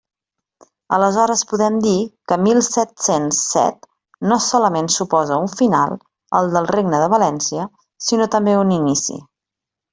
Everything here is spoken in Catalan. Aleshores podem dir que mil set-cents set no solament suposa un final, el del regne de València, sinó també un inici.